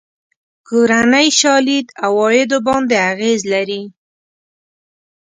کورنۍ شالید عوایدو باندې اغېز لري.